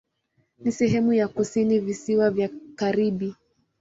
Ni sehemu ya kusini Visiwa vya Karibi.